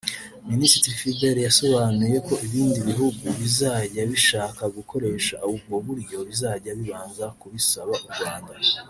Minisitiri Philbert yasobanuye ko ibindi bihugu bizajya bishaka gukoresha ubwo buryo bizajya bibanza kubisaba u Rwanda